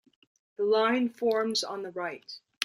The line forms on the right.